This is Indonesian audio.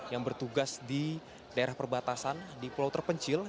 yang bertugas di daerah perbatasan di pulau terpencil